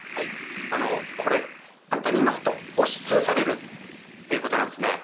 これ、簡単に言いますと押し潰されるということなんですね。